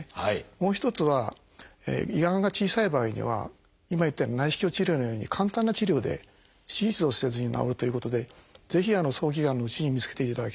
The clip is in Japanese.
もう一つは胃がんが小さい場合には今言ったように内視鏡治療のように簡単な治療で手術をせずに治るということでぜひ早期がんのうちに見つけていただきたいと思います。